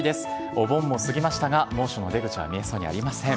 お盆も過ぎましたが、猛暑の出口は見えそうにありません。